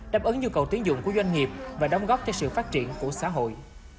đáp ứng nhu cầu tiến dụng của doanh nghiệp và đóng góp cho sự phát triển của xã hội